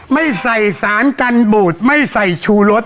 ไม่ใส่สารกันบูดไม่ใส่ชูรส